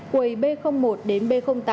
quầy b một đến b tám